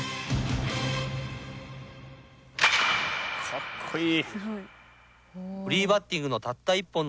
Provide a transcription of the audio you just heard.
かっこいい。